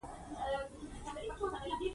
هغې څنګه او په کوم جرئت دا کار وکړ؟